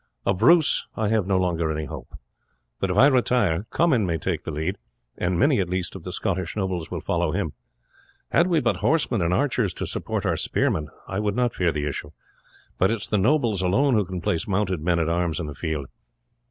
Of Bruce I have no longer any hope; but if I retire Comyn may take the lead, and many at least of the Scottish nobles will follow him. Had we but horsemen and archers to support our spearmen, I would not fear the issue; but it is the nobles alone who can place mounted men at arms in the field.